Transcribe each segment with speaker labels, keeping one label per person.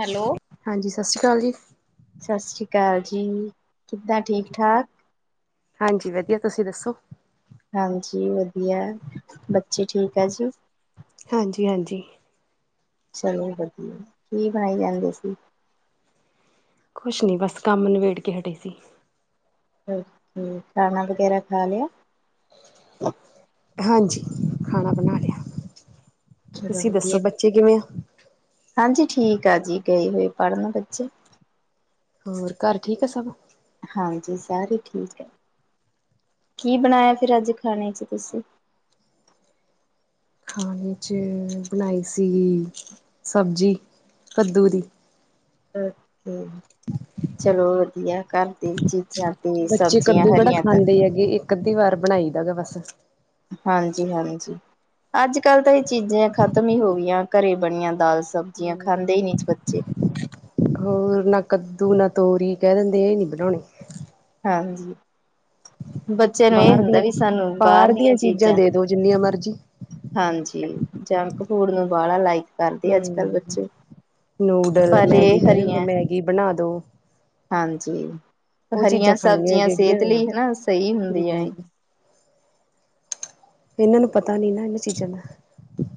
Speaker 1: Hello
Speaker 2: ਹਾਂਜੀ ਸਤਿ ਸ਼੍ਰੀ ਅਕਾਲ ਜੀ।
Speaker 1: ਸਸ ਰੀ ਕਾਲ ਜੀ ਕਿੱਦਾਂ ਠੀਕ-ਠਾਕ?
Speaker 2: ਹਾਂਜੀ ਵਧੀਆ, ਤੁਸੀਂ ਦੱਸੋ?
Speaker 1: ਹਾਂਜੀ ਵਧੀਆ, ਬੱਚੇ ਠੀਕ ਆ ਜੀ?
Speaker 2: ਹਾਂਜੀ-ਹਾਂਜੀ।
Speaker 1: ਚਲੋ ਵਧੀਆ, ਕੀ ਬਣਾਈ ਜਾਂਦੇ ਸੀ?
Speaker 2: ਕੁਛ ਨੀ ਬਸ ਕੰਮ ਨਿਬੇੜ ਕੇ ਹਟੇ ਸੀ।
Speaker 1: ਓਕੇ ਖਾਣਾ ਵਗੈਰਾ ਖਾ ਲਿਆ?
Speaker 2: ਹਾਂਜੀ ਖਾਣਾ ਬਣਾ ਲਿਆ,
Speaker 1: ਚਲੋ
Speaker 2: ਤੁਸੀਂ ਦੱਸੋ
Speaker 1: ਵਧੀਆ
Speaker 2: ਬੱਚੇ ਕਿਵੇਂ ਆ?
Speaker 1: ਹਾਂਜੀ ਠੀਕ ਆ ਜੀ ਗਏ ਹੋਏ ਪੜ੍ਹਨ ਬੱਚੇ
Speaker 2: ਹੋਰ ਘਰ ਠੀਕ ਆ ਸਭ
Speaker 1: ਹਾਂਜੀ ਸਾਰੇ ਠੀਕ ਐ, ਕੀ ਬਣਾਇਆ ਫਿਰ ਅੱਜ ਖਾਣੇ ਚ ਤੁਸੀਂ?
Speaker 2: ਖਾਣੇ 'ਚ ਬਣਾਏ ਸੀ, ਸਬਜ਼ੀ ਕੱਦੂ ਦੀ।
Speaker 1: ਕੱਦੂ, ਚਲੋ ਵਧੀਆ ਕਰ ਤੇ ਜੀ ਜਾ ਕੇ ਸਬਜ਼ੀਆਂ ਹਰੀਆਂ ਤਾ
Speaker 2: ਇਕ ਅੱਧੀ ਵਾਰ ਬਣਾਈ ਦਾ ਗਾ ਬਸ।
Speaker 1: ਹਾਂਜੀ ਹਾਂਜੀ ਅੱਜ ਕੱਲ ਤਾਂ ਇਹ ਚੀਜ਼ਾਂ ਖਤਮ ਈ ਹੋ ਗਈਆਂ। ਘਰੇ ਬਣੀਆਂ ਦਾਲ
Speaker 2: [inaudible]
Speaker 1: ਸਬਜ਼ੀਆਂ ਖਾਂਦੇ ਹੀ ਨਹੀਂ ਬੱਚੇ
Speaker 2: ਹੋਰ ਨਾ ਕੱਦੂ ਨਾ ਤੋਰੀ ਕਹਿ ਦਿੰਦੇ ਇਹ ਨੀ ਬਣਾਣੀ।
Speaker 1: ਹਾਂਜੀ, ਬੱਚਿਆਂ ਨੂੰ ਇਹ
Speaker 2: ਬਾਹਰ
Speaker 1: ਹੁੰਦਾ
Speaker 2: ਦੀਆਂ
Speaker 1: ਵੀ ਸਾਨੂੰ ਬਾਰ
Speaker 2: ਬਾਹਰ
Speaker 1: ਦੀਆਂ ਚੀਜ਼ਾਂ
Speaker 2: ਦੇ ਦੋ ਜਿੰਨੀਆਂ ਮਰਜ਼ੀ।
Speaker 1: ਹਾਂਜੀ, ਜੰਕ ਫੂਡ ਨੂੰ ਬਾਹਲਾ ਲਾਈਕ ਕਰਦੇ ਅੱਜ ਕੱਲ੍ਹ
Speaker 2: ਹੂੰ,
Speaker 1: ਬੱਚੇ
Speaker 2: ਨੂਡਲ
Speaker 1: ਪਰ ਇਹ
Speaker 2: ਮੈਗੀ ਕਹਿ ਦਿਦੇ
Speaker 1: ਹਰੀਆਂ
Speaker 2: ਮੈਗੀ ਬਣਾ ਦੋ।
Speaker 1: ਹਾਂਜੀ,
Speaker 2: ਉਹ
Speaker 1: ਹਰੀਆਂ
Speaker 2: ਚੀਜ਼ਾਂ ਖਾਣੀਆਂ
Speaker 1: ਸਬਜ਼ੀਆਂ
Speaker 2: ਜਿਹੜੀਆਂ
Speaker 1: ਸਿਹਤ ਲਈ ਹਨਾ ਸਹੀ ਹੁੰਦੀਆਂ।
Speaker 2: ਹਮ ਇਹਨਾਂ ਨੂੰ ਪਤਾ ਨੀ ਨਾ ਇਨਾਂ ਚੀਜ਼ਾਂ ਦਾ।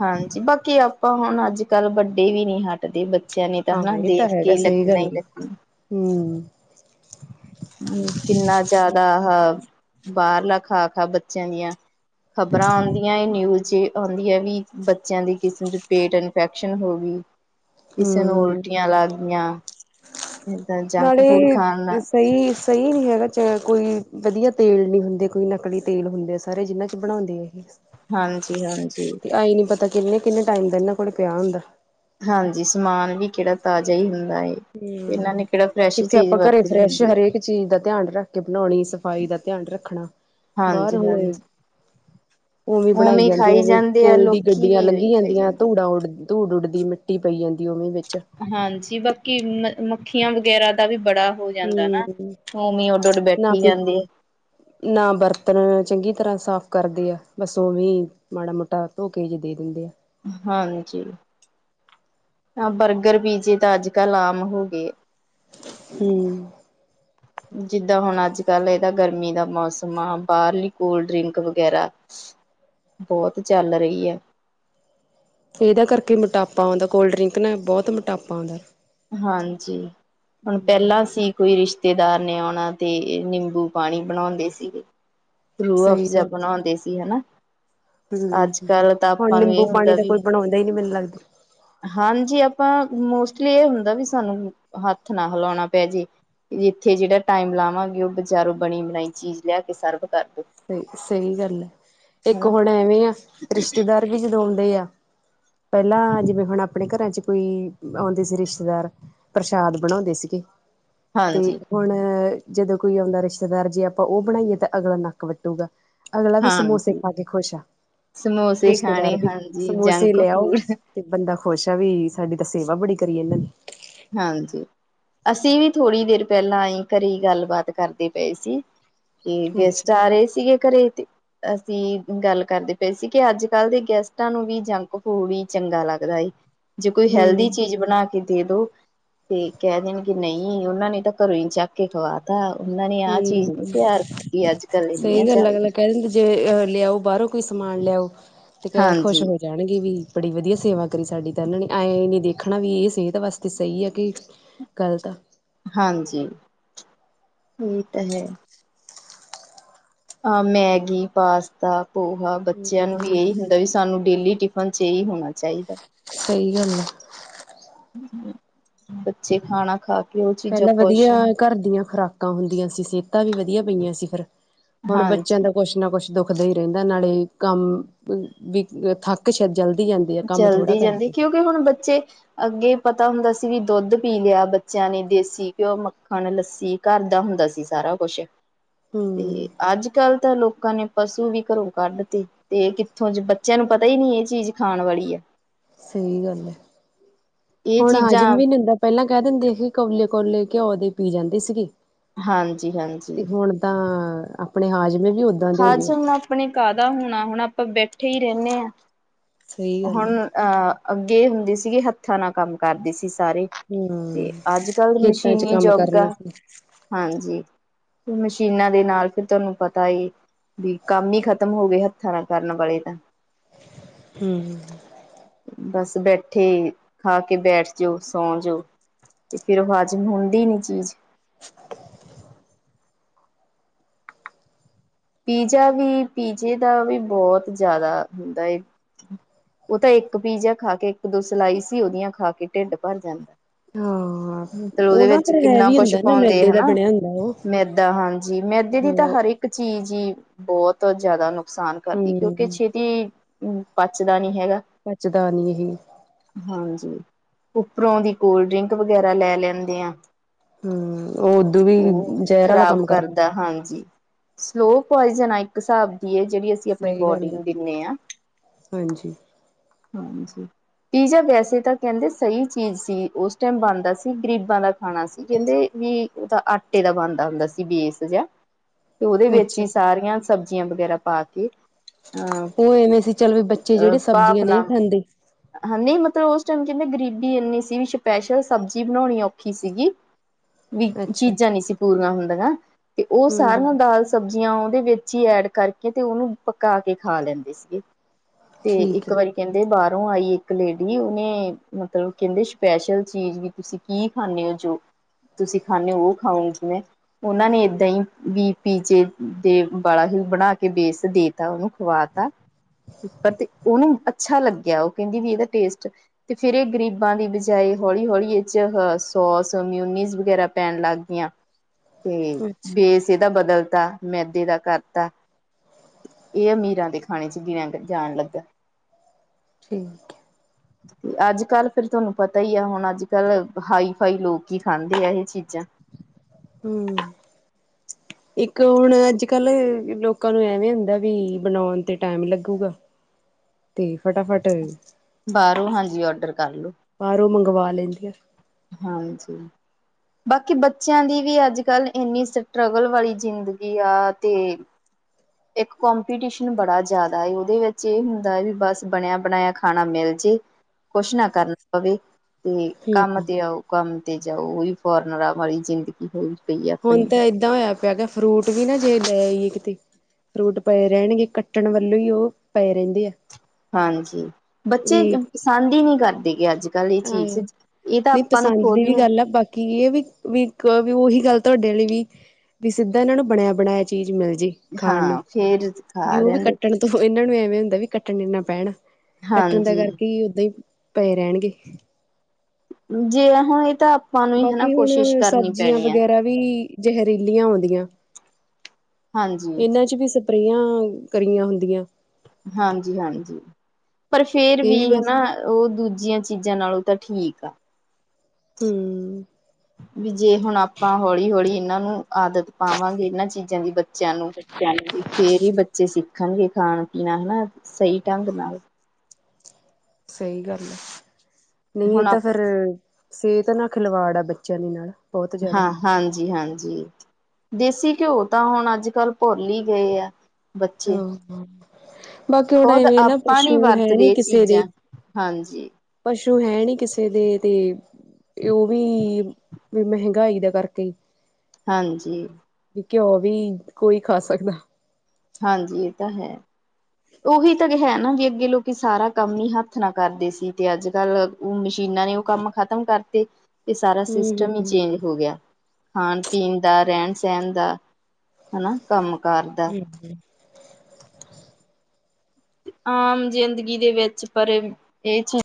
Speaker 1: ਹਾਂਜੀ ਬਾਕੀ ਆਪਾਂ ਹੁਣ ਅੱਜ ਕੱਲ ਵੱਡੇ ਵੀ ਨੀ ਹਟਦੇ ਬੱਚੇ ਬੱਚਿਆਂ ਨੇ ਤਾਂ
Speaker 2: ਹਾਂ
Speaker 1: ਹਨਾ ਦੇਖ ਕੇ ਲੱਗਣਾ ਹੀ ਲੱਗਣਾ।
Speaker 2: ਹੂੰ,
Speaker 1: ਹੂੰ ਕਿੰਨਾ ਜ਼ਿਆਦਾ ਆਹਾ, ਬਾਹਰਲਾ ਖਾ ਖਾ ਬੱਚਿਆਂ ਦੀਆਂ ਖ਼ਬਰਾਂ ਆਦੀਆ ਨਿਊਜ਼ 'ਚ ਆਉਂਦੀ ਆ ਵੀ ਬੱਚਿਆਂ ਦੀ ਕਿਸੇ ਚ ਪੇਟ ਇਨਫੈਕਸ਼ਨ ਹੋ ਗਈ। ਕਿਸੇ ਨੂੰ
Speaker 2: ਹਮ
Speaker 1: ਉਲਟੀਆਂ ਲੱਗ ਗਈਆਂ। ਏਦਾਂ ਜੰਕ ਫੂਡ
Speaker 2: ਨਾਲੇ,
Speaker 1: ਖਾਣ ਨਾਲ
Speaker 2: ਸਹੀ ਸਹੀ ਨੀ ਹੈਗਾ ਚ ਕੋਈ ਵਧੀਆ ਤੇਲ ਨੀ ਹੁੰਦੇ ਕੋਈ ਨਕਲੀ ਤੇਲ ਹੁੰਦੇ ਸਾਰੇ ਜਿਹਨਾਂ ਚ ਬਣਾਉਂਦੇ ਨੇ।
Speaker 1: ਹਾਂਜੀ ਹਾਂਜੀ,
Speaker 2: ਆਈ ਨੀ ਪਤਾ ਕਿੰਨੇ ਕਿੰਨੇ ਟਾਈਮ ਦਾ ਇਹਨਾਂ ਕੋਲ ਪਿਆ ਹੁੰਦਾ।
Speaker 1: ਹਾਂਜੀ ਸਮਾਨ ਵੀ ਕਿਹੜਾ ਤਾਜ਼ਾ ਈ ਹੁੰਦਾ ਏ। ਇਹਨਾਂ
Speaker 2: ਹੂੰ,
Speaker 1: ਨੇ ਕਿਹੜਾ ਫਰੈਸ਼
Speaker 2: ਕਿੱਥੇ
Speaker 1: ਚੀਜ਼
Speaker 2: ਆਪਾਂ ਘਰੇ
Speaker 1: ਵਰਤਣੀ
Speaker 2: ਫਰੈਸ਼
Speaker 1: ਹੁੰਦੀ ਹੈ
Speaker 2: ਹਰੇਕ ਚੀਜ਼ ਦਾ ਧਿਆਨ ਰੱਖ ਕੇ ਬਣਾਉਣੀ ਸਫਾਈ ਦਾ ਧਿਆਨ ਰੱਖਣਾ।
Speaker 1: ਹਾਂਜੀ ਹਾਂਜੀ,
Speaker 2: ਉ ਵੀ ਬਣਾਈ
Speaker 1: ਉਵੇਂ
Speaker 2: ਜਾਂਦੀ
Speaker 1: ਖਾਈ
Speaker 2: ਆ
Speaker 1: ਜਾਂਦੇ
Speaker 2: ਕੋਲ ਦੀ
Speaker 1: ਲੋਕੀ
Speaker 2: ਗੱਡੀਆਂ
Speaker 1: ਵੀ ਉਹੀ
Speaker 2: ਲੰਘੀ
Speaker 1: ਖਾਈ
Speaker 2: ਜਾਂਦੀਆਂ
Speaker 1: ਜਾਂਦੇ
Speaker 2: ਧੂੜਾ ਉੱਡਦੀ ਧੂੜ ਉੱਡਦੀ ਮਿੱਟੀ ਪਈ ਜਾਂਦੀ ਉਵੇਂ ਵਿੱਚ
Speaker 1: ਹਾਂਜੀ ਬਾਕੀ ਮ ਮੱਖੀਆਂ ਵਗੈਰਾ ਦਾ ਵੀ ਬੜਾ ਹੋ ਜਾਂਦਾ ਨਾ,
Speaker 2: ਹੂੰ
Speaker 1: ਉਵੇਂ ਉੱਡ ਉਡ
Speaker 2: ਨਾ
Speaker 1: ਬੈਠੀ
Speaker 2: ਕੋਈ
Speaker 1: ਜਾਂਦੇ ਆ।
Speaker 2: ਨਾ ਬਰਤਨ ਨੂੰ ਚੰਗੀ ਤਰ੍ਹਾਂ ਸਾਫ਼ ਕਰਦੇ ਆ ਬਸ ਉਵੀ ਮਾੜਾ ਮੋਟਾ ਧੋ ਕੇ ਜੇ ਦੇ ਦਿੰਦੇ ਆ।
Speaker 1: ਹਾਂਜੀ, ਹ ਬਰਗਰ ਪੀਜੇ ਤਾਂ ਅੱਜ ਕੱਲ੍ਹ ਆਮ ਹੋ ਗਏ।
Speaker 2: ਹੂੰ,
Speaker 1: ਜਿੱਦਾਂ ਹੁਣ ਅੱਜ ਕੱਲ ਇਹਦਾ ਗਰਮੀ ਦਾ ਮੌਸਮ ਆ ਬਾਹਰਲੀ ਕੋਲਡ ਡਰਿੰਕ ਵਗੈਰਾ ਬਹੁਤ ਚੱਲ ਰਹੀ ਐ।
Speaker 2: ਇਹਦਾ ਕਰਕੇ ਮੋਟਾਪਾ ਆਉਂਦਾ ਕੋਲਡ ਡਰਿੰਕ ਨੇ ਬਹੁਤ ਮੋਟਾਪਾ ਆਉਂਦਾ।
Speaker 1: ਹਾਜੀ ਹੁਣ ਪਹਿਲਾਂ ਸੀ। ਕੋਈ ਰਿਸ਼ਤੇਦਾਰ ਨੇ ਆਉਣਾ ਤੇ ਨਿੰਬੂ ਪਾਣੀ ਬਣਾਉਂਦੇ ਸੀਗੇ। ਰੂਹ
Speaker 2: ਸਹੀ
Speaker 1: ਅਫਜ਼
Speaker 2: ਗੱਲ ਹੈ
Speaker 1: ਬਣਾਉਂਦੇ ਸੀ ਹਨਾ ਅੱਜ ਕੱਲ ਤਾਂ ਆਪਾਂ ਨੂੰ ਇਹ ਹੁੰਦਾ ਵੀ।
Speaker 2: ਬਣਾਉਂਦੇ ਨੀ ਮੈਨੂੰ ਲਗਦਾ।
Speaker 1: ਹਾਂਜੀ ਆਪਾਂ ਮੋਸਟਲੀ ਇਹ ਹੁੰਦਾ ਵੀ ਸਾਨੂੰ ਹੱਥ ਨਾ ਹਿਲਾਉਣਾ ਪੈ ਜੇ। ਇੱਥੇ ਜਿਹੜਾ ਟਾਈਮ ਲਾਵਾਂਗੇ ਬਜ਼ਾਰੋਂ ਬਣੀ ਬਣਾਈ ਚੀਜ਼ ਲਿਆ ਕੇ ਸਰਵ ਕਰਦੋ।
Speaker 2: ਸਹੀ ਸਹੀ ਗੱਲ ਹੈ ਇੱਕ ਹੁਣ ਐਵੇਂ ਆ ਰਿਸ਼ਤੇਦਾਰ ਵੀ ਜਦੋਂ ਉਂਦੇ ਆ ਪਹਿਲਾਂ ਜਿਵੇਂ ਹੁਣ ਆਪਣੇ ਘਰਾਂ ਚ ਕੋਈ ਆਉਂਦੇ ਸੀ ਰਿਸ਼ਤੇਦਾਰ ਪ੍ਰਸ਼ਾਦ ਬਣਾਉਂਦੇ ਸੀਗੇ। ਤੇ
Speaker 1: ਹਾਂਜੀ
Speaker 2: ਹੁਣ ਜਦੋਂ ਕੋਈ ਆਉਂਦਾ ਰਿਸ਼ਤੇਦਾਰ ਜੇ ਆਪਾਂ ਉਹ ਬਣਾਈਏ ਤਾਂ ਅਗਲਾ ਨੱਕ ਵੱਟੂਗਾ। ਅਗਲਾ ਵੀ ਸਮੋਸੇ
Speaker 1: ਹਾਂਜੀ
Speaker 2: ਖਾ ਕੇ ਖੁਸ਼ ਆ
Speaker 1: ਸਮੋਸੇ ਖਾਣੇ
Speaker 2: ਰਿਸ਼ਤੇਦਾਰ ਵੀ
Speaker 1: ਹਾਂਜੀ
Speaker 2: ਸਮੋਸੇ
Speaker 1: ਜੰਕ
Speaker 2: ਲੈ ਆਓ।
Speaker 1: ਫੂਡ
Speaker 2: ਤੇ ਬੰਦਾ ਖੁਸ਼ ਆ ਵੀ ਸਾਡੀ ਤਾਂ ਸੇਵਾ ਬੜੀ ਕਰੀ ਜਾਂਦੇ ਨੇ
Speaker 1: ਹਾਂਜੀ ਅਸੀਂ ਵੀ ਥੋੜੀ ਦੇਰ ਪਹਿਲਾਂ ਅ ਘਰ ਗੱਲਬਾਤ ਕਰਦੇ ਪਏ ਸੀ। ਕੀ
Speaker 2: ਨੇ
Speaker 1: ਗੈਸਟ
Speaker 2: ਅੱਛਾ
Speaker 1: ਆ ਰਹੇ ਸੀ ਘਰੇ ਤੇ ਅਸੀਂ ਗੱਲ ਕਰਦੇ ਪਏ ਸੀ ਕਿ ਅੱਜ ਕੱਲ ਦੇ ਗੈਸਟਾਂ ਨੂੰ ਵੀ ਜੰਕ ਫੂਡ ਹੀ ਚੰਗਾ ਲੱਗਦਾ। ਜੇ ਕੋਈ ਹੈਲਦੀ
Speaker 2: ਹਮ
Speaker 1: ਚੀਜ਼ ਬਣਾ ਕੇ ਦੇ ਦੋ ਠੀਕ ਐ ਜਾਣੇ ਕਿ ਨਹੀਂ ਉਹਨਾਂ ਨੇ ਤਾਂ ਘਰੋਂ ਹੀ ਚੈੱਕ ਕੇ ਖਵਾ ਤਾਂ ਉਹਨਾਂ ਨੇ ਆਹ ਚੀਜ਼ ਨਹੀਂ
Speaker 2: ਹਮ
Speaker 1: ਤਿਆਰ ਕੀਤੀ ਅੱਜ ਕੱਲ ਇੰਨੀਆਂ
Speaker 2: ਸਹੀ
Speaker 1: ਚਾ।
Speaker 2: ਗੱਲ ਅਗਲਾ ਕਹਿ ਦਿੰਦੇ ਜੇ ਲਿਆਓ ਬਾਹਰੋਂ ਕੋਈ ਸਮਾਨ ਲਿਆਓ ਤੇ ਕ ਖੁਸ਼
Speaker 1: ਹਾਂਜੀ
Speaker 2: ਨੇ ਕਹਿਣਗੇ ਵੀ ਬੜੀ ਵਧੀਆ ਸੇਵਾ ਕਰੀ ਸਾਡੀ ਤਾਂ ਇਹਨਾਂ ਨੇ ਐਏਂਨ ਦੇਖਣਾ ਵੀ ਇਹ ਸਿਹਤ ਵਾਸਤੇ ਸਹੀ ਹੈ ਕੇ ਗੱਲ ਦਾ
Speaker 1: ਹਾਂਜੀ ਇਹ ਤਾਂ ਹੈ। ਆ ਮੈਗੀ, ਪਾਸਤਾ, ਪੋਹਾ, ਬੱਚਿਆਂ ਨੂੰ
Speaker 2: ਹੂੰ
Speaker 1: ਵੀ ਇਹੀ ਹੁੰਦਾ ਵੀ ਸਾਨੂੰ ਡੇਲੀ ਟਿਫਨ ਚ ਹੀ ਹੋਣਾ ਚਾਹੀਦਾ।
Speaker 2: ਸਹੀ ਗੱਲ ਐ।
Speaker 1: ਬੱਚੇ ਖਾਣਾ ਖਾ ਕੇ ਉਹ ਚੀਜ਼ਾਂ
Speaker 2: ਪਹਿਲਾਂ
Speaker 1: ਖੁਸ਼
Speaker 2: ਵਧੀਆ ਘਰ ਦੀਆਂ ਖੁਰਾਕਾਂ ਹੁੰਦੀਆਂ ਸੀ ਸਿਹਤਾਂ ਵੀ ਵਧੀਆ ਪਈਆਂ ਸੀ ਫਿਰ ਹੁਣ
Speaker 1: ਹਾਂਜੀ
Speaker 2: ਬੱਚਿਆਂ ਦਾ ਕੁਛ ਕਿੰਨਾ ਕੁਛ ਦੁੱਖਦਾ ਹੀ ਰਹਿੰਦਾ ਨਾਲੇ ਕੰਮ ਵੀ ਥੱਕ ਸ਼ਾਇਦ ਜਲਦੀ ਆਂਦੀ ਕੰਮ ਥੋੜਾ ਕਰਦੀ
Speaker 1: ਕੇ ਹੁਣ ਬੱਚੇ ਅੱਗੇ ਪਤਾ ਹੁੰਦਾ ਸੀ ਵੀ ਦੁੱਧ, ਪੀ ਲਿਆ ਬੱਚਿਆਂ ਨੇ ਦੇਸੀ ਘਿਓ ਮੱਖਣ, ਲੱਸੀ, ਘਰ ਦਾ ਹੁੰਦਾ ਸੀ ਸਾਰਾ ਕੁਛ‌। ਤੇ
Speaker 2: ਹੂੰ
Speaker 1: ਅੱਜ ਕੱਲ ਤਾਂ ਲੋਕਾਂ ਨੇ ਪਸੂ ਵੀ ਘਰੋਂ ਕੱਢ ਤੇ। ਤੇ ਕਿੱਥੋਂ ਬੱਚਿਆਂ ਨੂੰ ਪਤਾ ਹੀ ਨਹੀ ਇਹ ਚੀਜ਼ ਖਾਣ ਵਾਲੀ ਐ।
Speaker 2: ਸਹੀ ਗੱਲ ਐ।
Speaker 1: ਇਹ
Speaker 2: ਹੁਣ ਆਜਮ
Speaker 1: ਚੀਜ਼ਾਂ
Speaker 2: ਵੀ ਨਹੀਂ ਹੁੰਦਾ ਪਹਿਲਾਂ ਕਹਿ ਦਿੰਦੇ ਸੀ ਕੋਲੇ ਕੋਲੇ ਘਿਓ ਦੇ ਪੀ ਜਾਂਦੀ ਸੀਗੀ।
Speaker 1: ਹਾਂਜੀ ਹਾਂਜੀ।
Speaker 2: ਤਾਂ ਆਪਣੇ ਹਾਜ਼ਮੇ ਵੀ ਉਦ
Speaker 1: ਹਾਜ ਹੁਣ ਆਪਣੇ ਕਾਹਦਾ ਹੋਣਾ ਹੁਣ ਆਪਾਂ ਬੈਠੇ ਹੀ ਰਹਿੰਦੇ।
Speaker 2: ਸਹੀ ਗੱਲ
Speaker 1: ਹੁਣ
Speaker 2: ਹੈ
Speaker 1: ਅਹ ਅੱਗੇ ਹੁੰਦੇ ਸੀਗੇ ਹੱਥਾਂ ਨਾਲ ਕੰਮ ਕਰਦੇ ਸੀ ਸਾਰੇ।
Speaker 2: ਹੂੰ
Speaker 1: ਤੇ ਅੱਜ-ਕੱਲ
Speaker 2: ਖੇਤਾਂ ਚ
Speaker 1: ਮਸ਼ੀਨੀ
Speaker 2: ਕੰਮ
Speaker 1: ਜੋਗ
Speaker 2: ਕਰਨਾ
Speaker 1: ਆ,
Speaker 2: ਸੀ
Speaker 1: ਹਾਂਜੀ। ਮਸ਼ੀਨਾਂ ਦੇ ਨਾਲ ਫਿਰ ਤੁਆਨੂੰ ਪਤਾ ਏ ਬੀ ਕੰਮ ਈ ਖਤਮ ਹੋ ਗੇ ਹੱਥਾਂ ਨਾਲ ਕਰਨ ਵਾਲੇ ਤਾਂ।
Speaker 2: ਹੂੰ।
Speaker 1: ਬਸ ਬੈਠੇ, ਖਾ ਕੇ ਬੈਠ ਜੋ, ਸੌ ਜੋ। ਤੇ ਫਿਰ ਹਾਜ਼ਮ ਹੁੰਦੀ ਨੀ ਚੀਜ਼।
Speaker 2: [inaudible]
Speaker 1: ਪੀਜ਼ਾ ਵੀ, ਪੀਜੇ ਦਾ ਵੀ ਬੌਤ ਜੈਦਾ ਹੁੰਦਾ ਏ ਓਹ ਤਾਂ ਇੱਕ ਪੀਜ਼ਾ ਖਾ ਕੇ ਇੱਕ ਦੋ ਸਿਲਾਇਸ ਈ ਓਦੀਆਂ ਖਾ ਕੇ ਢਿੱਡ ਭਰ ਜਾਂਦੈ।
Speaker 2: ਹਾਂ
Speaker 1: ਮਤਲਬ
Speaker 2: ਉਹ
Speaker 1: ਉਹਦੇ
Speaker 2: ਨਾ
Speaker 1: ਵਿੱਚ
Speaker 2: ਫੇਰ
Speaker 1: ਕਿੰਨਾ
Speaker 2: ਹੈਵੀ
Speaker 1: ਕੁਛ
Speaker 2: ਹੁੰਦਾ ਨਾ
Speaker 1: ਪਾਉਂਦੇ
Speaker 2: ਮੈਦੇ ਦਾ
Speaker 1: ਹੈਨਾ
Speaker 2: ਬਣਿਆ ਹੁੰਦਾ
Speaker 1: ਮੈਦਾਂ ਹਾਂ ਜੀ, ਮੈਦੇ ਦੀ ਤਾਂ
Speaker 2: ਉਹ
Speaker 1: ਹਰ ਇੱਕ ਚੀਜ਼ ਈ ਬੌਤ ਜੈਦਾ ਨੁਕਸਾਨ
Speaker 2: ਹਾਂ
Speaker 1: ਕਰਦੀ, ਕਿਉਂਕਿ
Speaker 2: ਹਮ
Speaker 1: ਛੇਤੀ ਹੂੰ, ਪੱਚਦਾ ਨੀ ਹੈਗਾ।
Speaker 2: ਪੱਚਦਾ ਨੀ ਹੇ।
Speaker 1: ਹਾਂਜੀ, ਉੱਪਰੋਂ ਦੀ ਕੋਲਡ ਡਰਿੰਕ ਵਗੈਰਾ ਲੈ ਲੈਂਦੇ ਆਂ।
Speaker 2: ਹਮ ਉਹ ਉਦੋਂ
Speaker 1: ਤੇ
Speaker 2: ਵੀ
Speaker 1: ਓਹ
Speaker 2: ਜ਼ਹਿਰ ਵਾਲਾ
Speaker 1: ਖਰਾਬ
Speaker 2: ਕੰਮ ਕਰਦਾ
Speaker 1: ਕਰਦੈ, ਹਾਂਜੀ। ਸਲੋਅ ਪੋਇਜਨ ਆ ਇੱਕ ਸਾਬ ਦੀ ਏਹ ਜੇੜੀ ਅਸੀਂ ਸੀ ਅਪਣੀ
Speaker 2: ਸਹੀ ਗੱਲ
Speaker 1: ਬੋਡੀ
Speaker 2: ਹੈ
Speaker 1: ਨੂੰ ਦਿੰਨੇ ਆਂ।
Speaker 2: ਹਾਂਜੀ
Speaker 1: ਹਾਂਜੀ। ਪੀਜ਼ਾ ਵੈਸੇ ਤਾਂ ਕੈੰਦੇ ਸਹੀ ਚੀਜ਼ ਸੀ, ਓਸ ਟੈਮ ਬਣਦਾ ਸੀ ਗ਼ਰੀਬਾਂ ਦਾ ਖਾਣਾ ਸੀ। ਕੈੰਦੇ ਵੀ ਉਹ ਤਾਂ ਆਟੇ ਦਾ ਬਣਦਾ ਹੁੰਦਾ ਸੀ ਬੇਸ ਜਾ। ਤੇ ਓਹਦੇ ਵੇਚ
Speaker 2: ਅੱਛਾ
Speaker 1: ਈ ਸਾਰੀਆਂ ਸਬਜ਼ੀਆਂ ਵਗੈਰਾ ਪਾ ਕੇ ਅਹ
Speaker 2: ਉਹ ਐਵੇਂ ਸੀ, ਚੱਲ ਬੀ ਬੱਚੇ ਜੇੜੇ
Speaker 1: ਭਾਫ
Speaker 2: ਸਬਜ਼ੀਆਂ
Speaker 1: ਨਾ
Speaker 2: ਨਹੀਂ ਖਾਂਦੇ।
Speaker 1: ਹਾਂ ਨਹੀਂ ਮਤਲਬ, ਉਸ ਟਾਈਮ ਕੈੰਦੇ ਗਰੀਬੀ ਇੰਨੀ ਸੀ ਵੀ ਸਪੈਸ਼ਲ ਸਬਜ਼ੀ ਬਣੋਣੀ ਔਖੀ ਸੀਗੀ। ਵੀ
Speaker 2: ਅੱਛਾ
Speaker 1: ਚੀਜ਼ਾਂ ਨ੍ਹੀਂ ਸੀ ਪੂਰਣਾ ਹੁੰਦੀਆਂ ਤੇ ਓਹ
Speaker 2: ਹਮ
Speaker 1: ਸਾਰੀਆਂ ਦਾਲਸ ਸਬਜ਼ੀਆਂ ਓਹਦੇ ਵਿੱਚ ਈ ਐਡ ਕਰਕੇ ਤੇ ਓਹਨੂੰ ਪਕਾ ਕੇ ਖਾ ਲੈਂਦੇ ਸੀ। ਤੇ
Speaker 2: ਠੀਕ
Speaker 1: ਇੱਕ ਵਾਰੀ ਕੈੰਦੇ ਬਾਰ ਰੋ ਆਈ ਇੱਕ ਲੇਡੀ ਉਹਨੇ ਮਤਲਬ ਕੈੰਦੇ ਸਪੈਸ਼ਲ ਚੀਜ਼ ਵੀ ਤੁਸੀਂ ਕੀ ਖਾਂਨੇ ਓ ਜੋ ਤੁਸੀਂ ਖਾਣੇ ਓ, ਓਹ ਖਾਉਗੀ ਮੈਂ। ਓਹਨਾਂ ਨੇ ਏਦਾਂ ਹੀ ਵੀ ਪੀਜੇ ਦੇ ਬਾਲਾ ਹੀ ਬਣਾ ਕੇ ਬੇਸ ਦੇਤਾ ਓਹਨੂੰ, ਖਵਾ ਤਾ, ਅਤੇ ਓਹਨੂੰ ਅੱਛਾ ਲੱਗਿਆ ਓਹ ਕੈੰਦੀ ਵੀ ਐਹਦਾ ਟੇਸਟ ਤੇ ਫੇਰ ਏਹ ਗ਼ਰੀਬਾਂ ਦੀ ਬਜਾਏ ਹੌਲੀ-ਹੌਲੀ ਇਹ 'ਚ ਹ ਸੋਸ, ਮਿਊਨੀਜ਼ ਵਗੈਰਾ ਪੈਣ ਲੱਗ ਗੀਆਂ। ਤੇ
Speaker 2: ਹੈ ਅੱਛਾ
Speaker 1: ਬੇਸ ਏਹਦਾ ਬਦਲਤਾ ਮੈਦੇ ਦਾ ਕਰਤਾ। ਏਹ ਅਮੀਰਾਂ ਦੇ ਖਾਣੇ'ਚ ਗਿਣੇਆ ਕ ਜਾਣ ਲੱਗਾ।
Speaker 2: ਠੀਕ।
Speaker 1: ਤੇ ਅੱਜ-ਕੱਲ੍ਹ ਫਿਰ ਤੁਐਨੂੰ ਪਤਾ ਈ ਆ, ਹੁਣ ਅੱਜ-ਕੱਲ੍ਹ ਹਾਈ-ਫਾਈ ਲੋਕ ਈ ਖਾਂਦੇ ਆ ਏਹੇ ਚੀਜ਼ਾਂ।
Speaker 2: ਹੂੰ।
Speaker 1: [inaudible]
Speaker 2: ਇੱਕ ਹੁਣ ਅੱਜ-ਕੱਲ ਲੋਕਾਂ ਨੂੰ ਐਵੇਂ ਹੁੰਦਾ ਵੀ ਬਣੌਣ ਤੇ ਟਾਈਮ ਲੱਗੂਗਾ। ਤੇ ਫਟਾਫਟ
Speaker 1: ਬਾਰੋਂ ਹਾਂਜੀ ਔਡਰ ਕਰਲੋ।
Speaker 2: ਬਾਰੋਂ ਮੰਗਵਾ ਲੈਂਦੇ ਆ।
Speaker 1: ਹਾਂਜੀ। ਬਾਕੀ ਬੱਚਿਆਂ ਦੀ ਵੀ ਅੱਜ-ਕੱਲ ਏਨੀ ਸੱਟਰਗਲ ਵਾਲੀ ਜ਼ਿੰਦਗੀ ਆ ਤੇ ਏਕ ਕੋਂਪੀਟੀਸ਼ਨ ਬੜਾ ਜੈਦਾ ਏ, ਓਹਦੇ ਵਿੱਚ ਏਹ ਹੁੰਦਾ ਐ ਵੀ ਬਸ ਬਣਿਆ ਬਣਾਇਆ ਖਾਣਾ ਮਿਲ ਜੇ। ਕੁਛ ਨਾ ਕਰਨਾ ਪਵੇ। ਤੇ ਕੰਮ
Speaker 2: ਹਮ
Speaker 1: ਤੇ ਆਓ ਕੰਮ ਤੇ ਜਾਓ। ਉਹੀ ਫੋਰਨਰਾ ਵਾਲੀ ਜ਼ਿੰਦਗੀ ਹੋਈ ਪਈ ਹੈ ਆਪਣੀ ਵੀ।
Speaker 2: ਐਦਾ ਹੋਇਆ ਪਿਆ ਦਾ, ਫਰੂਟ ਵੀ ਨਾ ਜੇ ਲੈ ਆਈਏ ਕਿਤੇ ਫਰੂਟ ਪਏ ਰਹਿਣਗੇ, ਕੱਟਣ ਵੱਲੋਂ ਹੀ ਉਹ ਪਏ ਰਹਿੰਦੇ ਆ।
Speaker 1: ਹਾਂਜੀ, ਬੱਚੇ
Speaker 2: ਵੀ
Speaker 1: ਅ ਪਸੰਦ ਹੀ ਨਹੀਂ ਕਰਦੇ ਗੇ ਅੱਜ ਕੱਲ ਇਹ
Speaker 2: ਹਾਂ
Speaker 1: ਚੀਜ਼, ਇਹ ਤਾਂ ਆਪਾਂ ਨੂੰ ਖੁਦ ਨੂੰ
Speaker 2: ਕੀ ਇਹ ਵੀ ਵੀ ਕੁ ਵੀ ਉਹੀ ਗੱਲ ਤੁਹਾਡੇ ਵਾਲੀ ਵੀ ਵੀ ਸਿੱਧਾ ਇਹਨਾਂ ਨੂੰ ਬਣਿਆ ਬਣਾਇਆ ਚੀਜ਼ ਮਿਲ ਜੇ। ਖਾਣ ਨੂੰ
Speaker 1: ਹਾਂ ਫੇਰ
Speaker 2: ਵੀ
Speaker 1: ਦਿਖਾ
Speaker 2: ਵੀ
Speaker 1: ਲਈਦੇ।
Speaker 2: ਕੱਟਣ ਉਹ ਇਹਨਾਂ ਨੂੰ ਐਵੇਂ ਹੁੰਦਾ ਵੀ ਕੱਟਨੇ ਨਾ ਪੈਣਾ ਕੱਟਣ ਦਾ
Speaker 1: ਹਾਂਜੀ
Speaker 2: ਕਰਕੇ ਹੀ ਓਦਾਂ ਹੀ ਪਏ ਰਹਿਣਗੇ। [inaudible]
Speaker 1: ਜੇ ਹੁਣ ਇਹ ਤਾਂ ਆਪ।
Speaker 2: ਬਾਕੀ ਹੁਣ ਸਬਜ਼ੀਆਂ ਵਗੈਰਾ ਵੀ ਜ਼ਹਿਰੀਲੀਆਂ ਆਉਂਦੀਆਂ
Speaker 1: ਹਾਂਜੀ
Speaker 2: ਇਹਨਾਂ ਚ ਵੀ ਸਭ। ਸਪਰੇਆਂ ਕਰੀਆਂ ਹੁੰਦੀਆਂ।
Speaker 1: ਹਾਂਜੀ ਹਾਂਜੀ, ਪਰ ਫੇਰ
Speaker 2: ਇਹ
Speaker 1: ਵੀ ਹ
Speaker 2: ਬਸ
Speaker 1: ਨਾ‌। ਉਹ ਦੂਜੀਆਂ ਚੀਜ਼ਾਂ ਨਾਲੋਂ ਤਾਂ ਠੀਕ ਆ।
Speaker 2: ਹੂੰ
Speaker 1: ਵੀ ਜੇ ਹੁਣ ਆਪਾਂ ਹੌਲੀ ਹੌਲੀ ਇਹਨਾਂ ਨੂੰ ਆਦਤ ਪਾਵਾਂਗੇ ਇਹਨਾਂ ਚੀਜ਼ਾਂ ਦੀ ਵਧੀ। ਬੱਚਿਆਂ ਨੂੰ
Speaker 2: ਬੱਚਿਆਂ
Speaker 1: ਤੇ
Speaker 2: ਨੂੰ
Speaker 1: ਫੇਰ ਹੀ ਬੱਚੇ ਸਿੱਖਣਗੇ ਖਾਣ ਪੀਣਾ ਹਨਾ ਸਹੀ ਢੰਗ ਨਾਲ।
Speaker 2: ਸਹੀ ਗੱਲ ਆ ਨਹੀਂ ਇਹ
Speaker 1: ਹੁਣ
Speaker 2: ਤਾਂ ਫਿਰ। ਸਿਹਤ ਨਾਲ ਖਿਲਵਾੜ ਆ ਬੱਚਿਆਂ ਦੀ ਨਾਲ। ਬਹੁਤ ਜ਼ਿਆਦਾ
Speaker 1: ਹਾਂ ਹਾਂਜੀ ਹਾਂਜੀ ਦੇਸੀ ਘਿਓ ਤਾਂ ਹੁਣ ਅੱਜ ਕੱਲ੍ਹ ਭੁੱਲ ਹੀ ਗਏ ਆ। ਬੱਚੇ
Speaker 2: ਘਿਉ ਬੰਦ। ਬਾਕੀ ਹੁਣ
Speaker 1: ਖੁਦ
Speaker 2: ਇਵੇਂ ਨਾ
Speaker 1: ਆਪਾਂ
Speaker 2: ਪਸ਼ੂ
Speaker 1: ਨੀ
Speaker 2: ਹੈ
Speaker 1: ਵਰਤਦੇ
Speaker 2: ਨੀ
Speaker 1: ਇਹ
Speaker 2: ਕਿਸੇ ਦੇ।
Speaker 1: ਚੀਜ਼ਾਂ ਹਾਂਜੀ
Speaker 2: ਪਸ਼ੂ ਹੈ ਨੀ ਕਿਸੇ ਦੇ ਤੇ ਉਹ ਵੀ। ਵੀ ਮਹਿੰਗਾਈ ਦਾ ਕਰਕੇ ਈ।
Speaker 1: ਹਾਂਜੀ।
Speaker 2: ਵੀ ਘਿਓ ਵੀ ਕੋਈ ਖਾ ਸਕਦਾ।
Speaker 1: ਹਾਂਜੀ ਇਹ ਤਾਂ ਹੈ। ਉਹੀ ਤਾਂ ਹੈ ਨਾ ਵੀ ਅੱਗੇ ਲੋਕੀ ਸਾਰਾ ਕੰਮ ਹੀ ਹੱਥ ਨਾਲ ਕਰਦੇ ਸੀ ਤੇ ਅੱਜ ਕੱਲ। ਉਹ ਮਸ਼ੀਨਾਂ ਨੇ ਉਹ ਕੰਮ ਖ਼ਤਮ ਕਰਤੇ ਤੇ ਸਾਰਾ ਸਿਸਟਮ ਹੀ
Speaker 2: ਹਮ
Speaker 1: ਚੇਂਜ। ਹੋ ਗਿਆ ਖਾਣ ਪੀਣ ਦਾ ਰਹਿਣ -ਸਹਿਣ ਦਾ ਹਨਾ ਕੰਮ ਕਾਰ। ਦਾ
Speaker 2: [inaudible]
Speaker 1: ਤੇ ਆਮ ਜਿੰਦਗੀ ਦੇ ਵਿੱਚ ਪਰ ਇਹ ਚੀਜ਼।